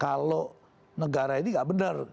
kalau negara ini tidak benar